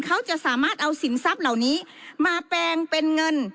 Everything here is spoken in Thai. เขาจะสามารถเอาสินทรัพย์เหล่านี้มาแปลงเป็นเงิน